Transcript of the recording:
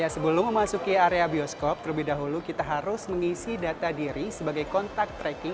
sebelum memasuki area bioskop terlebih dahulu kita harus mengisi data diri sebagai kontak tracking